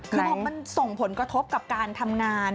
คือพอมันส่งผลกระทบกับการทำงาน